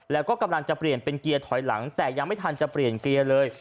แล้วก็กำลังจะเปลี่ยนเป็นเกียร์ถอยหลังแต่ยังไม่ทันจะเปลี่ยนเกียร์เลย